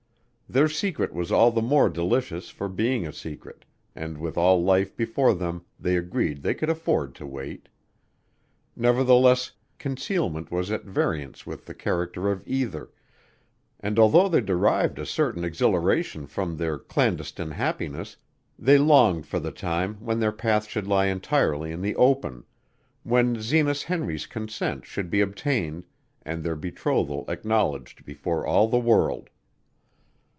Their secret was all the more delicious for being a secret, and with all life before them they agreed they could afford to wait. Nevertheless concealment was at variance with the character of either, and although they derived a certain exhilaration from their clandestine happiness they longed for the time when their path should lie entirely in the open, when Zenas Henry's consent should be obtained, and their betrothal acknowledged before all the world.